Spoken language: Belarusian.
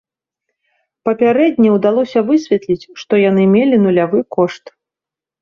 Папярэдне ўдалося высветліць, што яны мелі нулявы кошт.